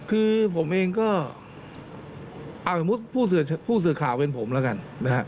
คือผมเองก็เอาสมมุติผู้สื่อข่าวเป็นผมแล้วกันนะฮะ